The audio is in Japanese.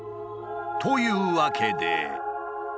というわけで。